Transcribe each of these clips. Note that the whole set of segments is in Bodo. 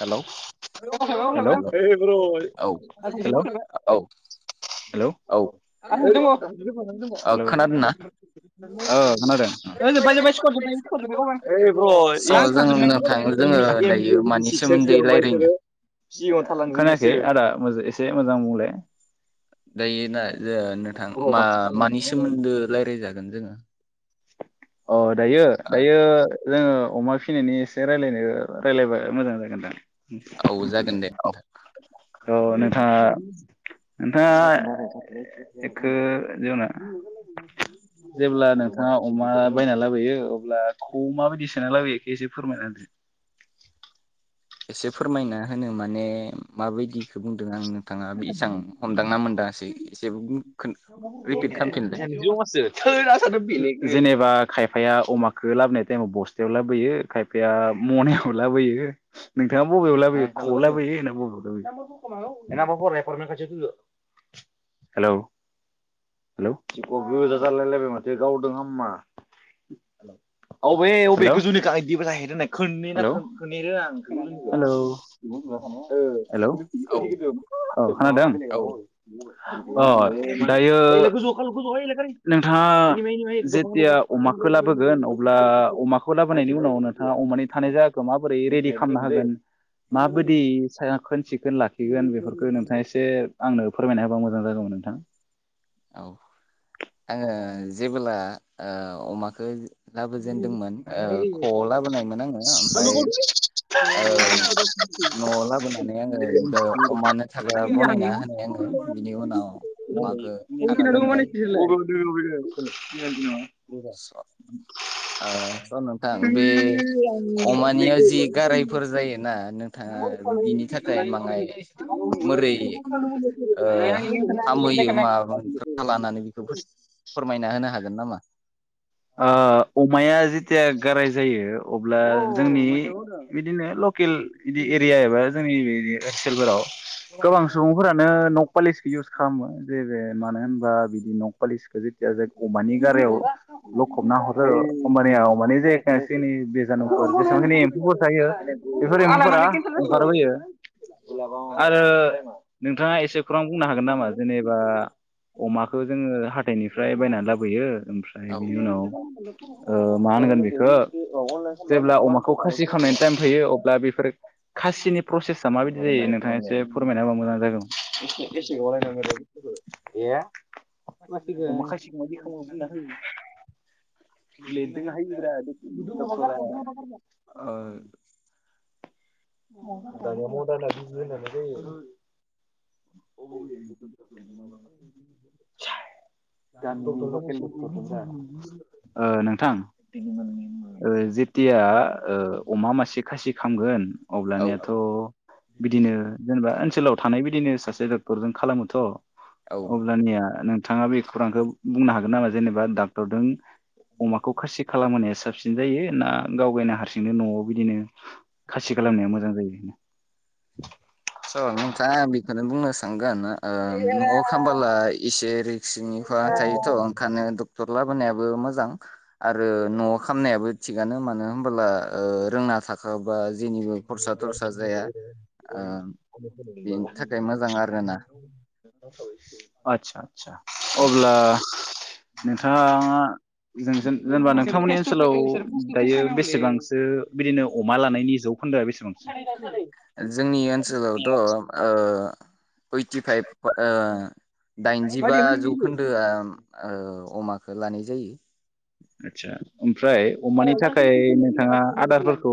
हेल औ हेलौ हेलौ औ आंखौ औ जोबबाय औ खोनादोंना जों जोब्बाय स्कर [unintelligible] जोंङो [unintelligible] जायखिया ओमफाय बिसोरो सिगाङाव थालांखायाखै से मोजां बुंलाय दायो ना जो नोंथां मा मानि सोमोन्दो रायज्लायजागोन जोंङो अ दायो दायो जोंङो अमा फिसिनायनि एसे रायज्लायनो राय्लायबा मोजां जागोन दां औ जागोन दे नोंथां औ नोंथाङा नोंथाङा एखो जेना जेब्ला नोंथाङा अमा बायना लाबोयो अब्ला अमा खौ माबायदि सोना लाबोयो एखो एसे फोरमायनाहोदो। एसे फोरमायना होनो माने माबायदि बेखौ बुंदों आं नोंथाङा बे इसां हमदांना मोनदाङासै एसे रिपिट खालामफिनलाय जेनेबा खायफाया अमाखौ लाबोनाय टाइमाव बस्थायाव लाबोयो। खायफाया मनायाव लाबोयो। नोंथाङा बबेयाव लाबोयो खआव लाबोयो ना बबेयाव लाबोयो? नाबा फरायनाय फराय खाथि हेलौ गोजा जालायलायबाय माथो गावदों हा अबेबेनि जाह खो आं हेलौ हेऔ औ खोनादों औ अ दायो नोंथाङा जेथिया अमाखौ लाबोगोन अब्ला अमाखौ लाबोनायनि उनाव नोंथाङा अमानि थानाय जायाखखौ माबोरै रेडि खालामनो हागोन? माबायदि [unintelligible] खोन लाखिगोन बेफोरखौ नोंथाङा एसे आंनो फोरमायना होबा मोजां जागौमोन नोंथां। औ आंङो जेबोला ओ अमाखो लाबोजेनदोंमोन ओ ख लाबोनायमोन आंङो ओमफय लाबोनानै आङो अमानो थाग्रा बनायना होनाय आङो बिनि उनाव अमाखौ खाना दोनबाय [unintelligible] ओ स' नोंथां बे अमानिया जि गारायफोर जायो ना नोंथाङा बिनि थाखाय माङाय मोरै ओ हामहोयो मा लानानै बेखौ फोरमायना होनो हागोन नामा? अमाया जेथिया गाराय जायो अब्ला जोंनि बिदिनो लकेल बिदि एरिया एबा जोंनि बेराद सोलफोराव गोबां सुबुंफोरानो नकपालिसखौ इउस खालामो जे मानो होनबा बिदि न'कपालिसखौ जेथिया जाय अमानि गारायाव लखबना हरो आरो हबानिया अमानि जेखखिनि बेजानुफोर जेसेबांखिनि एम्फौफोर थायो बेफोर एम्फौफोरा ओंखारबोयो थाङा नोंथाङा एसे खौरां बुंनो हागोन नामा जेनेबा अमाखौ जोङो हाथायनिफ्राय बायनानै लाबोयो ओमफ्राय औ बिनि उनाव ओ मा होनगोन बेखौ जेब्ला अमाखौ खासि खालामनायनि टाइम थैयो अब्ला बेफोर खासिनि प्रसेसा माबायदि जायो नोंथाङा फोरमायना हाबा मोजां जागोन गसेवलाय माख माखासेदि खालामना [unintelligible] [unintelligible] [unintelligible] ओ‌ नोंथां जेथिया ओ अमा मासे खासि खामगोन औ अब्लानाथ' बिदिनो जेनेबा ओनसोलाव थानाय बिबायदिनो सासे डक्टरजों खालामोथ' औ अब्ला निया नों थाङा बे खौरांखौ बुंनो हागोन नामा जेनेबा दा हथ'दों। अमाखौ खासि खालामहोनाया साबसिन जायो ना गाव गायना हारसिंनो न'आव बिदिनो खासि खालामनाया मोजां जायो। स' नोंथाङा बेखौनो बुंनो थांगोना ओ न'आव खालामामबोला इसेरै सिंनिफा थायोथ' ओंखानो ट-टर लाबोनायाबो मोजां। आरो न'आव खामनायाबो थिगानो मानो होनोब्ला ओ रोंना थाखाबा जेनिबो खरसा थरसा जाया आ [inaudible] आदसा आदसा अब्ला नोंथाङा जों जेनेबा नोंथांमोननि ओनसोलाव दायो बेसेबांसो बिदिनो अमा लानायनि जौ जोंनि ओनसोलावथ' ओ ओइटि फाइभ ओ दाइनजिबा जौखोनदोआ ओ अमाखो लानाय जायो। आदसा ओमफ्राय अमानि थाखाय नोंथाङा आदारफोरखौ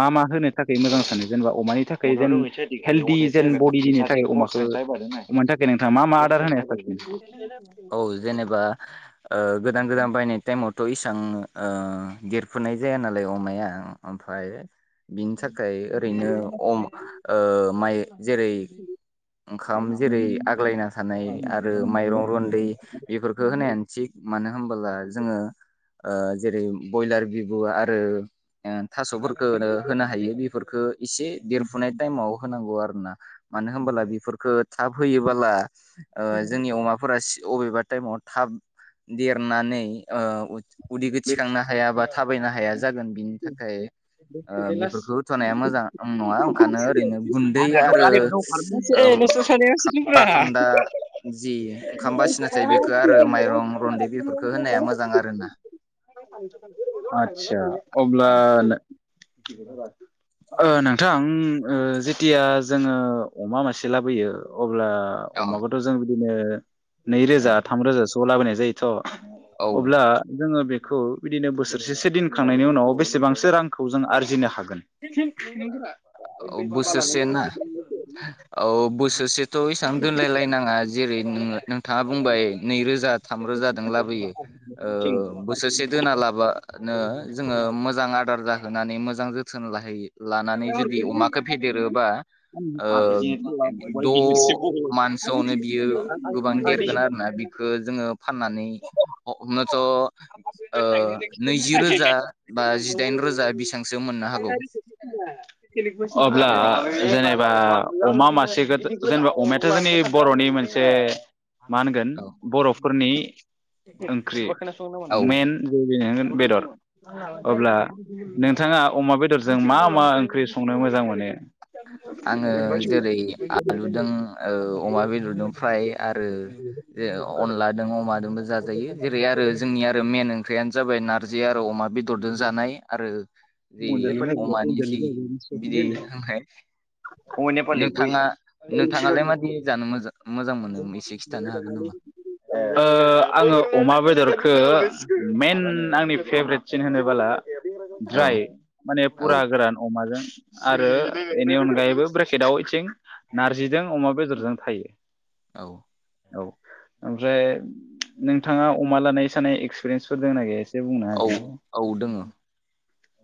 मा मा होनो थाखाय मोजां जेनेबा अमानि थाखाय [unintelligible] हेल्डि जेन बडिनि थाखाय अमाखौ अमानि थाखाय नोंथाङा मा मा आदार होनाय साबसिन औ जेनेबा ओ गोदान गोदान बायनाय टाइमावथ' इसां देरफुनाय जाया नालाय अमाया ओमफ्राय बिनि थाखाय ओरैनो अम ओ माइ जेरै ओंखाम जेरै आग्लायना थानाय आरो माइरं रन्दै बेफोरखौ होनायानो थिग मानो होनबोला जोंङो ओ जेरै ब्रयलार बिबु आरो थास'फोरखौ होनो हायो बेफोरखो एसे देरफुनाय टाइमाव होनांगौ आरो ना मानो होनबोला बेफोरफोरखो थाब होयोबोला ओ अमाफोरा सि अबेबा टाइमाव थाब देरनानानै ओ अ उदैखौ थिखांनो हाया बा थाबायनो हाया जागोन बिनि थाखाय बेफोरखौ होथ'नाया मोजां नङा ओंखायनो ओरैनो गुन्दै आरो खा-खान्दा जि ओंखाम बासिना थायो बेखो आरो माइरं रन्दै बेफोरफोरखौ होनाया मोजां आरो ना आदसा अब्ला ओ नोंथां जेथिया जोंङो अमा मासे लाबोयो अब्ला औ। अमाखौथ' जों बिदिनो नैरोजा थामरोजासोआव लाबोनाय जायोथ' औ अब्ला जोङो बे खौ बिदिनो बोसोरसेसो दिनखांनायनि उन उनाव बेसेबांसो रांखौ जों आरजिनो हागोन औ बोसोरसे ना औ बोसोरसेथ' इसां दोनलायलायनाङा जेरै नोङो नोंथाङा बुंबाय नैरोजा थामरोजादों लाबोयो ओ [unintelligible] बोसोरसे दोना लाबानो जोङो मोजां आदार जाहोनानै मोजां जो थोन लाहैयो। लानानै जुदि अमाखौ फेदेरोबा ओ द' मानसोआवनो बियो गोबां देरगोन आरो ना बिखो जोङो फाननानै हमनोथ' ओ नैजि रोजा। बा जिदाइन रोजा बिसांसो मोननो हागौ। अब्ला जेनेबा अमा मासेखोथ' जेनेबा अमायाथ' जोंनि बर'नि मोनसे मा होनगोन औ बर'फोरनि ओंख्रि औ मेन। [unintelligible] बेदर अब्ला नोंथाङा अमा बेदरजों मा मा ओंख्रि संनो मोजां मोनो? आङो जेरै आलुदों ओ अमा बेदरदों फ्राय आरो ओ अनलादों अमादोंबो जाजायो जेरै आरो जोंनि आरो मेन ओंख्रिआ जाबाय नारजि आरो अमा। बेदरदों जानाय आरो जि अमानि जि बिदि हांनाय ओ नोंथाङा नोंथाङालाय मादि जानो मोजां मो [unintelligible] ओ आङो अमा बेदरखो मेन। आंनि फेब्रेटसिन होनोबोला। औ द्राय माने औ फुरा गोरान अमाजों आरो बेनि अनगायैबो ब्रेकेटाव इथसे। [unintelligible] नारजिजों अमा बेदरजों थायो। औ। औ ओमफ्राय नोंथाङा अमा लानाय सानाय एक्सपिरियेन्सफोर दंना गैया एसे बुंनो औ औ दोङो होदे।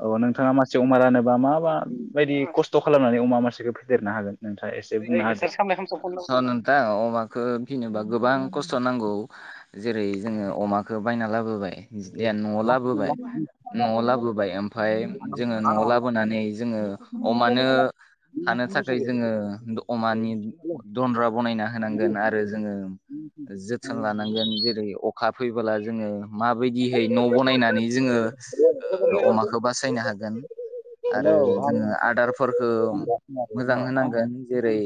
औ नोंथाङा मासे अमा लानोबा मा-मा बायदि खस्थ' खालामनानै अमा मानसेखौ फेदेरनो हागोन। नोंथाङा एसे बुंना होदे [unintelligible] अमाखो फिनोबा गोबां खस्थ' नांगौ जेरै जोङो अमाखौ बायना लाबोबाय। ज्लेन न'आव लाबोबाय न'आव लाबोबाय ओमफाय जोङो न'आव लाबोनानै जोङो अमानो थानो थाखाय जोङो। अमानि दन्द्रा बनायना होनांगोन आरो जोङो जोथोन लानांगोन जेरै अखा। फैबोला जोङो। माबायदिहै न' बनायनानै जोङो ओ अमाखौ बासायनो हागोन आरो जोङो आदारफोरखो मोजां होनांगोन। जेरै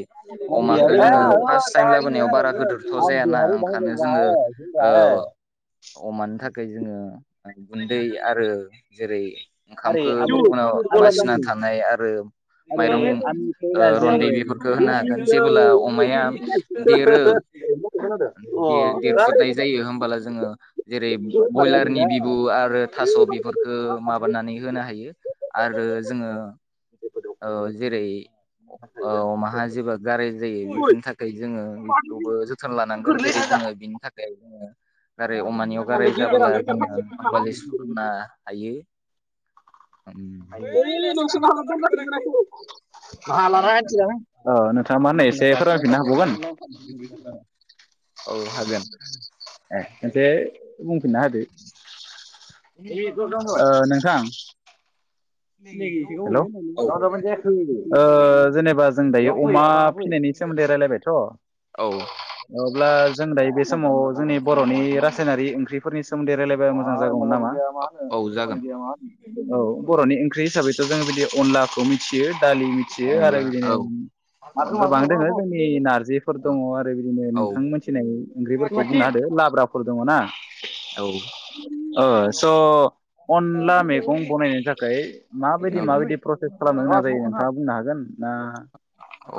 अमाखौ जोङो फार्स्ट टाइम लाबोनायाव बारा गोदोरथ' जायाना ओंखानो जोङो ओ अमानो थाखाय। जोङो। ओ गुन्दै आरो जेरै। ओंखामखो उनाव बासिना थानाय आरो [unintelligible] बेफोरखो होनो हागोन जेबोब्ला अमाया देरो देर-देरफुनाय जायो होमबला जोङो जेरै बयलारनि बिबु आरो थास' बेफोरखो माबानानै होनो हायो आरो जोङो ओ जेरै ओ अमाहा जेबो गाराय जायै बेफोरनि थाखाय जोङो बेखौबो जोथोन लानांगोन जेरै जोङो बिनि थाख दायो जोंङो। गाराय अमानियाव गाराय जाबोला होदो जोङो पालिस फोनना हायो। ओइ न' सिंङाव हाबना दंगासिनो मोनाखै [unintelligible] मा होनो एसे फोरमायफिननो हाबावगोन औ हागोन ए खनसे बुंफिनना होदो [unintelligible] [unintelligible] हेलौ [unintelligible] ओह जेनेबा जों दायो अमा फिसिनायनि सोमोन्दै रायलायबायथ' औ अब्ला जों दायो बे समाव जोंनि बर'नि रासायनारि ओंख्रिफोरनि सोमोन्दै रायलायबा मोजां जागौमोन नामा? औ औ जागोन [unintelligible] बर'नि ओं ख्रि हिसाबैथ' जों बिदि अनलाखौ मिथियो दालि थियो आरो अब्ला बिदिनो औ गोबां दङो जोंनि नारजिफोर औ दङ आरो बिदिनो औ नोंथां मोनथिनाय ओंख्रिफोरखौ बुंना होदो लाब्राफोर दङ ना औ ओह स' अनला मैगं बनायनायनि थाखाय माबायदि औ माबायदि प्रसेस खालामो गोनां जायो नोंथाङा बुं गोन ना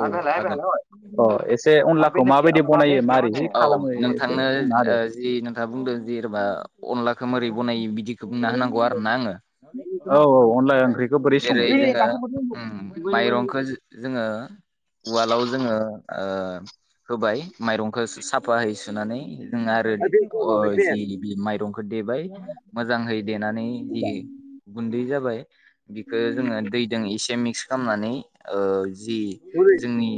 औ हागोन अह एसे अनलाखौ माबायदि बनायो मारै जि औ खालामो एसे नोंथांनो बुंना ओ होदो। जि नोंथाङा बुंदों जेनेबा अनलाखौ मोरै बनायो [unintelligible] बिदिखौ बुंना होनांगौ आरो ना आङो औ औ अनला ओंख्रिखौ बोरै सङो जेरै जोङो उम माइरंखौ जोङो उवालाव जोङो ओ ओ होबाय माइरंखौ साफा हैै सुनानै जों आरो अह जि बि माइरंखो देबाय। मोजांहै देनानै जि गुन्दै जाबाय बिखो जोङो दैदों इसे मि खामनानै ओ जि जोंनि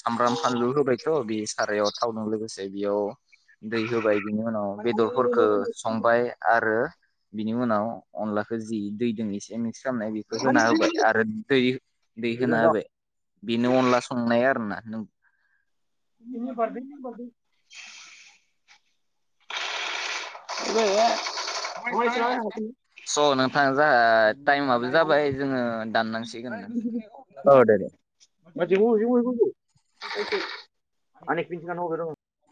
सामब्राम फानलु होबायथ' बे सारायाव थावजों लोगोसे दा बियाव दै होबाय बिनि उनाव बेदरफोरखो संबाय आरो बिनि उनाव अनलाखौ जि दै दों इसे मि खालामानाय निखौ होना होबाय आरो दै दै होना होबाय बेनो अनला संनाया [unintelligible] [unintelligible] [unintelligible] स' नोंथां जोंहा टाइमाबो ओ जाबाय जोङो दाननांसिगोन दे दे [unintelligible]